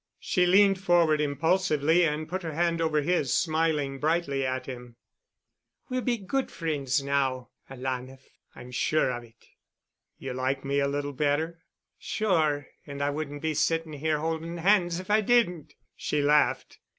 She leaned forward impulsively and put her hand over his, smiling brightly at him. "We'll be good friends now, alanah. I'm sure of it." "You like me a little better——?" "Sure and I wouldn't be sitting here holding hands if I didn't," she laughed.